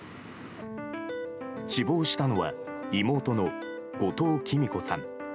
死亡したのは妹の後藤喜美子さん。